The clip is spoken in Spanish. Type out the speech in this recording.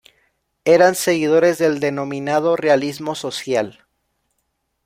Eran seguidores del denominado realismo social.